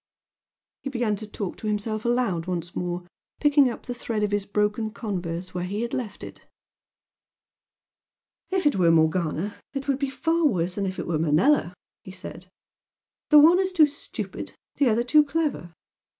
He began to talk to himself aloud once more, picking up the thread of his broken converse where he had left it "If it were Morgana it would be far worse than if it were Manella!" he said "The one is too stupid the other too clever.